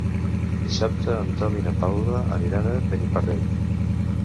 Dissabte en Tom i na Paula aniran a Beniparrell.